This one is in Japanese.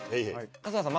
春日さん